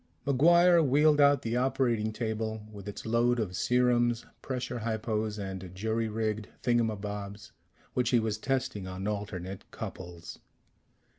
MacGuire wheeled out the operating table, with its load of serums, pressure hypos and jury rigged thingamabobs which he was testing on alternate couples.